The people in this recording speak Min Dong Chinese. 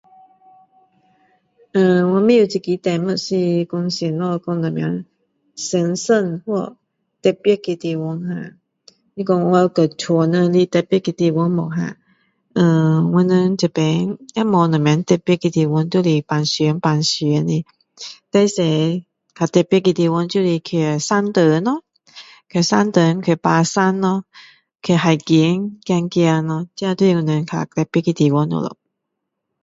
我不懂这个题目是说什么讲什么神圣的地方 har 你说我跟家里人有特别的地方吗 har 呃我们这边也没有什么特别的地方就是平常平常的最多就是特别的地方就是走山洞咯去山洞爬山咯去海边咯走走咯这就是我们比较特别的地方咯